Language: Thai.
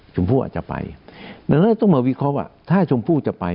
ชมพู่อาจจะไปดังนั้นต้องมาวิเคราะห์ว่าถ้าชมพู่จะไป